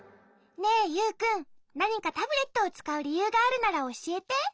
ねえユウくんなにかタブレットをつかうりゆうがあるならおしえて？